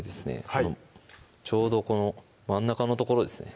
はいちょうどこの真ん中の所ですね